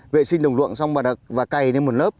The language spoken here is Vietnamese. vệ sinh đồng luộng xong và cày lên một lớp